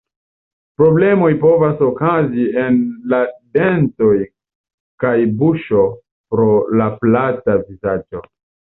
Problemoj povas okazi en la dentoj kaj buŝo pro la plata vizaĝo.